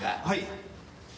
はい。